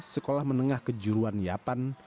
sekolah menengah kejuruan yapan